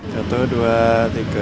satu dua tiga